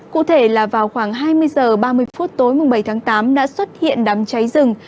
cụ thể là vào khoảng hai mươi h ba mươi phút tối bảy tháng tám đã xuất hiện đám cháy rừng